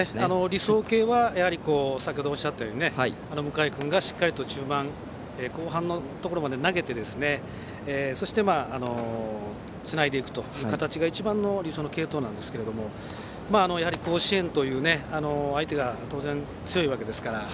理想形はやはり先ほどおっしゃったように向井君がしっかりと中盤、後半のところまで投げてそして、つないでいくという形が一番の理想の継投ですがやはり甲子園ということで相手が当然、強いわけですから。